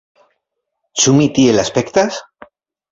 Ĉu mi tiel aspektas?